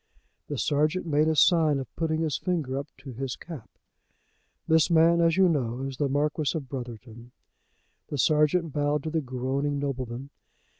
The sergeant made a sign of putting his finger up to his cap. "This, man, as you know, is the Marquis of Brotherton." The sergeant bowed to the groaning nobleman.